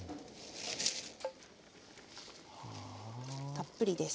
たっぷりです。